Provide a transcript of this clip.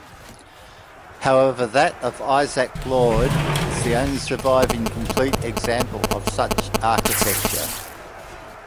However that of Isaac Lord is the only surviving complete example of such architecture.